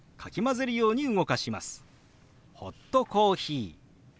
「ホットコーヒー」。